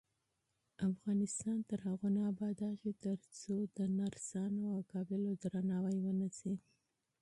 افغانستان تر هغو نه ابادیږي، ترڅو د نرسانو او قابلو درناوی ونشي.